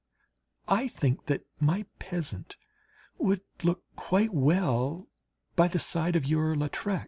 I think that my peasant would look quite well by the side of your Lautrec.